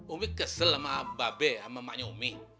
umi kesel sama mbak be sama emaknya umi